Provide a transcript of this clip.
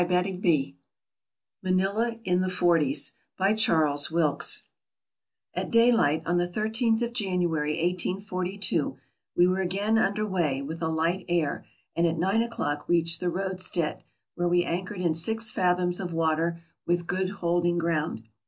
MISCELLANEOUS Manila in the Forties By CHARLES WILKES AT daylight, on the thirteenth of January, 1842, we were again under way, with a light air, and at nine o'clock reached the roadstead, where we anchored in six fathoms of water, with good holding ground.